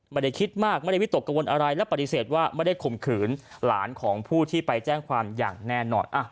ไม่ได้คิดมากไม่ได้วิตกกังวลอะไรและปฏิเสธว่าไม่ได้ข่มขืนหลานของผู้ที่ไปแจ้งความอย่างแน่นอน